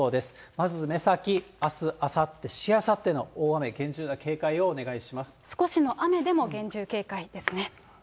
まず目先、あす、あさって、しあさっての大雨、厳重な警戒をお願少しの雨でも厳重警戒ですね。